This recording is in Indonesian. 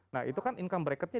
nah itu kan income brecketnya